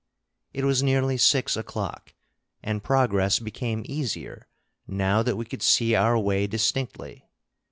It was nearly six o'clock, and progress became easier now that we could see our way distinctly.